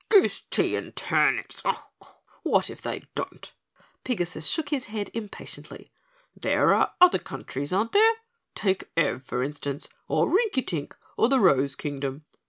"Goose tea and turnips! What if they don't!" Pigasus shook his head impatiently. "There are other countries, aren't there? Take Ev, for instance, or Rinkitink, or the Rose Kingdom.